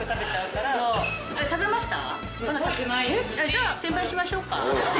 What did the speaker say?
じゃあ「転売しましょうか」。